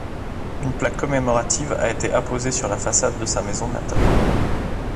Une plaque commémorative a été apposée sur la façade de sa maison natale.